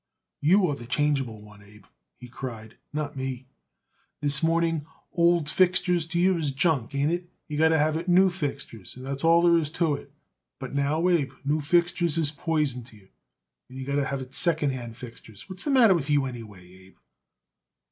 "You are the changeable one, Abe," he cried, "not me. This morning old fixtures to you is junk. Ain't it? You got to have new fixtures and that's all there is to it. But now, Abe, new fixtures is poison to you, and you got to have second hand fixtures. What's the matter with you, anyway, Abe?"